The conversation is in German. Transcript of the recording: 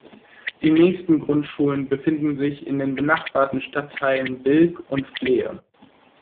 Die nächsten Grundschulen befinden sich in den benachbarten Stadtteilen Bilk und Flehe.